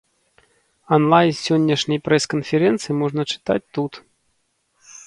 Анлайн з сённяшняй прэс-канферэнцыі можна чытаць тут.